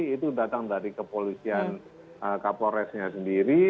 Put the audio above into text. itu datang dari kepolisian kapolresnya sendiri